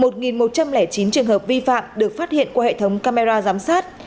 một một trăm linh chín trường hợp vi phạm được phát hiện qua hệ thống camera giám sát